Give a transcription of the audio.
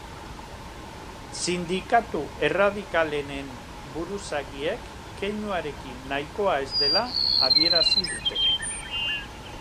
Sindikatu erradikalenen buruzagiek keinuarekin nahikoa ez dela adierazi dute.